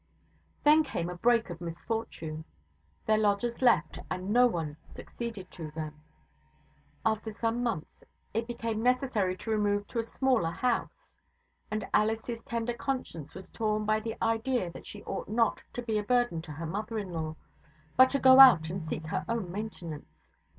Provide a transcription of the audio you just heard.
Then came a break of misfortune. Their lodgers left, and no one succeeded to them. After some months, it became necessary to remove to a smaller house; and Alice's tender conscience was torn by the idea that she ought not to be a burden to her mother in law, but to go out and seek her own maintenance.